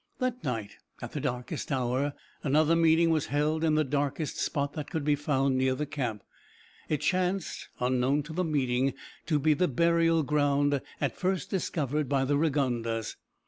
That night, at the darkest hour, another meeting was held in the darkest spot that could be found near the camp. It chanced, unknown to the meeting, to be the burial ground at first discovered by the Rigondas.